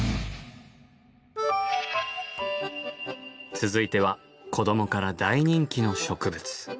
続いては子どもから大人気の植物。